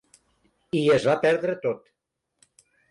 I es va perdre tot.